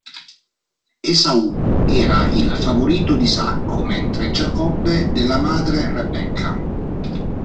Esaù era il favorito di Isacco, mentre Giacobbe della madre Rebecca.